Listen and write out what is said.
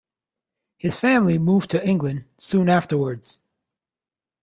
His family moved to England soon afterwards.